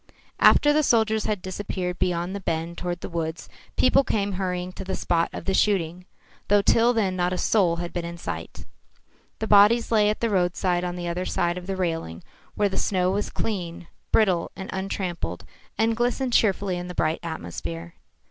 After the soldiers had disappeared beyond the bend toward the woods, people came hurrying to the spot of the shooting, though till then not a soul had been in sight. The bodies lay at the roadside on the other side of the railing, where the snow was clean, brittle and untrampled and glistened cheerfully in the bright atmosphere.